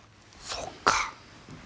そっか。